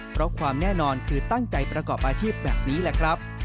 เพราะความแน่นอนคือตั้งใจประกอบอาชีพแบบนี้แหละครับ